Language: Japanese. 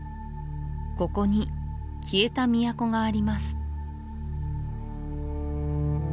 ここに消えた都があります